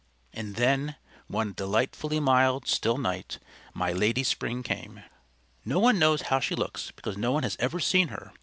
And then one delightfully mild, still night my Lady Spring came. No one knows how she looks, because no one has ever seen her.